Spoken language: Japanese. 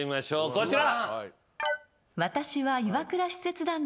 こちら。